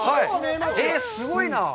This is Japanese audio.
すごいなぁ。